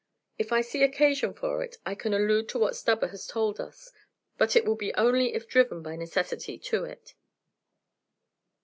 If I see occasion for it, I can allude to what Stubber has told us; but it will be only if driven by necessity to it."